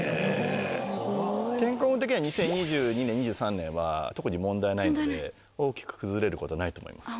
健康運的には２０２２年２３年は特に問題ないので大きく崩れることないと思います。